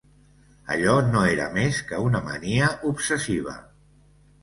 Allò no era més que una mania obsessiva.